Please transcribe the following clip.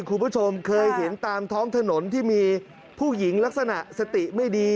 คุณผู้ชมเคยเห็นตามท้องถนนที่มีผู้หญิงลักษณะสติไม่ดี